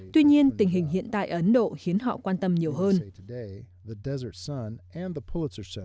tuy nhiên tình hình hiện tại ấn độ khiến họ quan tâm nhiều hơn